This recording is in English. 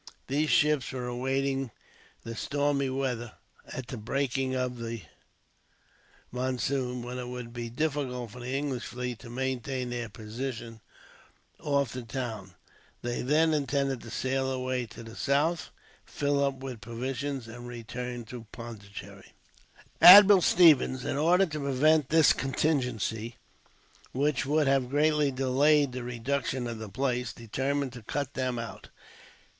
These ships were awaiting the stormy weather, at the breaking of the monsoon, when it would be difficult for the English fleet to maintain their position off the town. They then intended to sail away to the south, fill up with provisions, and return to Pondicherry. Admiral Stevens, in order to prevent this contingency, which would have greatly delayed the reduction of the place, determined to cut them out.